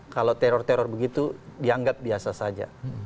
kalau teror teror begitu dianggap biasa saja